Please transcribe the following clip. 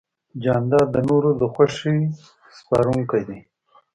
جانداد د نورو د خوښۍ سپارونکی دی.